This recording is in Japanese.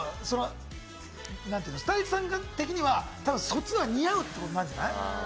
スタイリストさん的にはそっちの方が似合うってことなんじゃない？